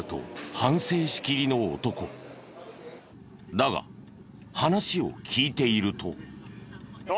だが話を聞いていると。